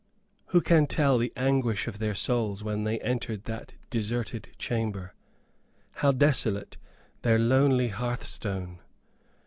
Who can tell the anguish of their souls when they entered that deserted chamber? How desolate their lonely hearthstone!